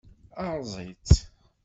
Erẓ-itt.